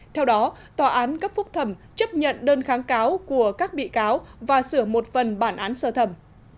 theo đó tòa án cấp phúc thẩm chấp nhận đơn kháng cáo của các bị cáo và sửa một phần bản án sơ thẩm